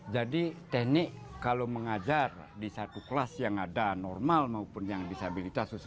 jadi teknik kalau mengajar di satu kelas yang ada normal maupun yang disabilitas